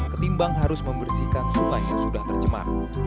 ketimbang harus membersihkan sungai yang sudah tercemar